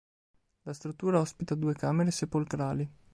La struttura ospita due camere sepolcrali.